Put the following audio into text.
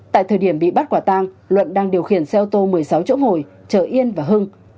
tại thời điểm bị bắt quả tang luận đang điều khiển xe ô tô một mươi sáu chỗ ngồi chở yên và hưng